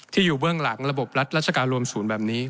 อยู่เบื้องหลังระบบรัฐราชการรวมศูนย์แบบนี้